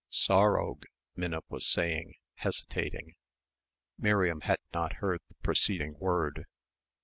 "Sorrowg," Minna was saying, hesitating. Miriam had not heard the preceding word.